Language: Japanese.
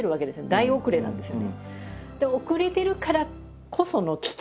大遅れなんですよね。